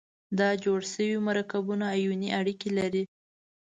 دا جوړ شوي مرکبونه آیوني اړیکې لري.